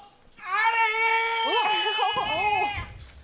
あれ！